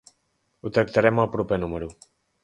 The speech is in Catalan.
Ho tractarem al proper número.